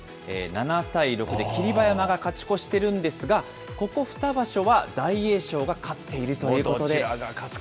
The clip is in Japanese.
７対６で霧馬山が勝ち越しているんですが、ここ２場所は大栄翔が勝っているということで。